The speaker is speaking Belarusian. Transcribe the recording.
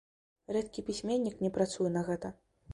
Рэдкі пісьменнік не працуе на гэта.